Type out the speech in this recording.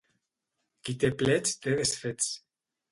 Qui té plets té desfets.